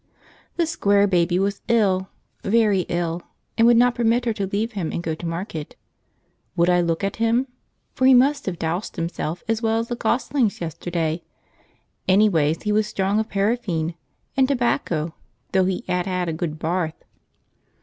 The Square Baby was ill, very ill, and would not permit her to leave him and go to market. Would I look at him? For he must have dowsed 'imself as well as the goslings yesterday; anyways he was strong of paraffin and tobacco, though he 'ad 'ad a good barth.